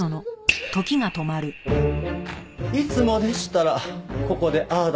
いつもでしたらここでああだ